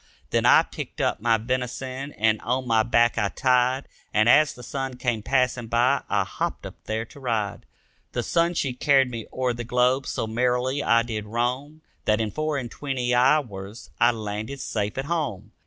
Then I picked up my venison and on my back I tied And as the sun came passing by I hopped up there to ride. The sun she carried me o'er the globe, so merrily I did roam That in four and twenty hours I landed safe at home.